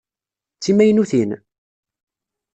D timaynutin?